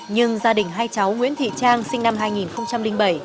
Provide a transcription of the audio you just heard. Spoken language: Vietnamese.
nhưng gia đình hai cháu nguyễn thị trang sinh năm hai nghìn bảy